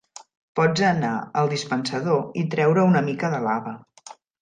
Pots a anar al dispensador i treure una mica de lava.